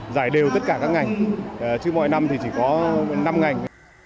giải đều tất cả các ngành chứ mọi năm thì chỉ có năm ngành